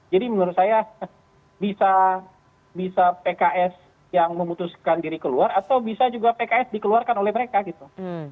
jadi menurut saya bisa pks yang memutuskan diri keluar atau bisa juga pks dikeluarkan oleh mereka gitu